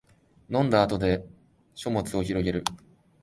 飲んだ後で書物をひろげる